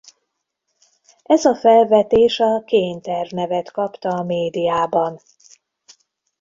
Ez a felvetés a Cain-terv nevet kapta a médiában.